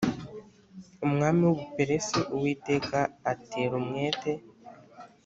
umwami w u Buperesi Uwiteka atera umwete